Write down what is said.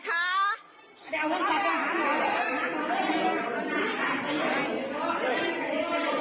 ใจเยอะในของคุณผู้ชมส่งค่ะ